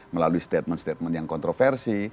melalui statement statement yang kontroversi